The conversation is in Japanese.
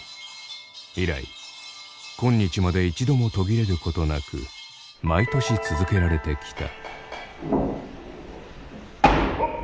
以来今日まで一度も途切れることなく毎年続けられてきた。